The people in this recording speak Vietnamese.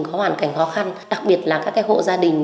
có hoàn cảnh khó khăn đặc biệt là các hộ gia đình